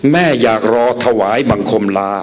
แม่อยากรอถวายบังคมลา